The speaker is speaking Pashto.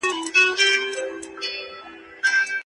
پښتو ليکدود ستونزمن نه دی.